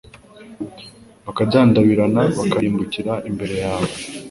bakadandabirana bakarimbukira imbere yawe